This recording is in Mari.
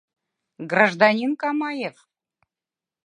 Гражданин Камаев!